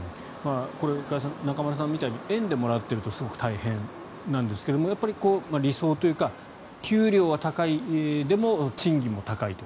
これ、加谷さん中丸さんみたいに円でもらっているとすごく大変なんですが理想というか、給料は高いでも、賃金も高い。